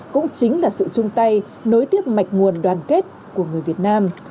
cũng chính là sự chung tay nối tiếp mạch nguồn đoàn kết của người việt nam